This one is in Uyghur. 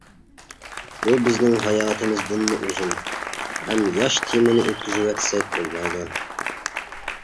بۇ بىزنىڭ ھاياتىمىزدىنمۇ ئۇزۇن ھەم ياش تېمىنى ئۆتكۈزۈۋەتسەك بولمايدۇ.